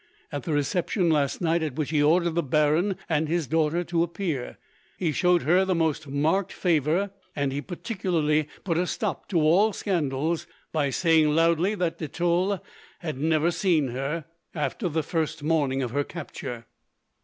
At the reception last night, at which he ordered the baron and his daughter to appear, he showed her the most marked favour, and particularly put a stop to all scandals, by saying loudly that de Tulle had never seen her, after the first morning of her capture."